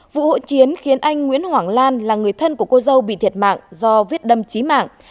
vụ hộ chiến khiến anh nguyễn hoảng lan là người thân của cô dâu bị thiệt mạng do viết đâm trí mạng